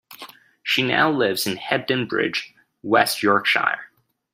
She now lives in Hebden Bridge, West Yorkshire.